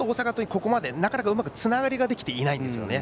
ここまでなかなかうまくつながりができていませんね。